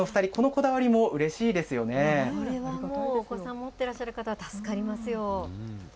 これはもう、お子さん持っていらっしゃる方、助かりますよ。